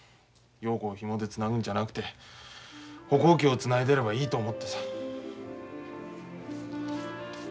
陽子をひもでつなぐんじゃなくて歩行器をつないでればいいと思ってさ。